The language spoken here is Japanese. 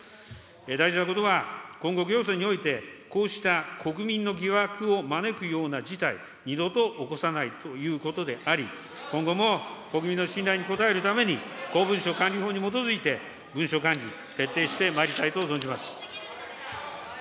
大事なことは、今後行政において、こうした国民の疑惑を招くような事態、二度と起こさないということであり、今後も国民の信頼に応えるために、公文書管理法に基づいて、文書管理、徹底してまいりたいと存じます。